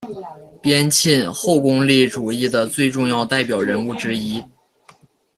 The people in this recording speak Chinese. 边沁后功利主义的最重要代表人物之一。